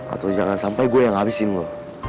atau jangan sampai gue yang habisin lo